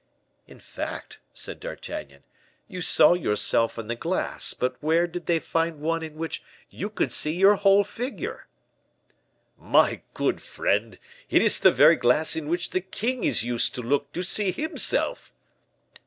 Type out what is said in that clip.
'" "In fact," said D'Artagnan, "you saw yourself in the glass; but where did they find one in which you could see your whole figure?" "My good friend, it is the very glass in which the king is used to look to see himself."